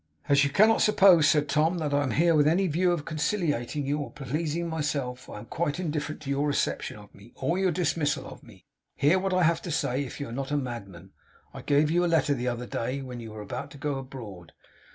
'As you cannot suppose,' said Tom, 'that I am here with any view of conciliating you or pleasing myself, I am quite indifferent to your reception of me, or your dismissal of me. Hear what I have to say, if you are not a madman! I gave you a letter the other day, when you were about to go abroad.